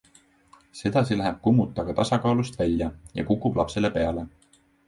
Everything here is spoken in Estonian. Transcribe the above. Sedasi läheb kummut aga tasakaalust välja ja kukub lapsele peale.